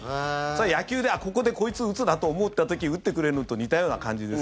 野球でここでこいつ打つなと思った時打ってくれるのと似たような感じです。